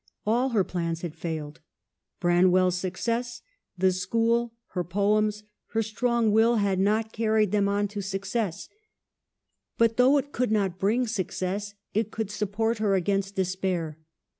All her plans had failed ; Branwell's success, the school, her poems : her strong will had not car ried them on to success. 280 EMILY BRONTE. But though it could not bring success, it could support her against despair.